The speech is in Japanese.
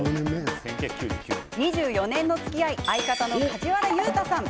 ２４年のつきあい相方の梶原雄太さん。